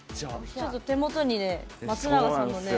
ちょっと手元に松永さんも。